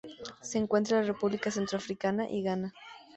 Se encuentra en la República Centroafricana y Ghana.